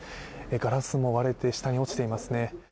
ガラスも割れて、下に落ちていますね。